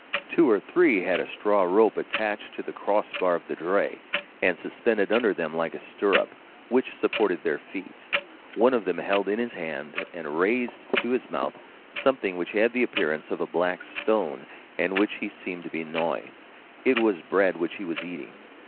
Two or three had a straw rope attached to the cross bar of the dray, and suspended under them like a stirrup, which supported their feet. One of them held in his hand and raised to his mouth something which had the appearance of a black stone and which he seemed to be gnawing; it was bread which he was eating.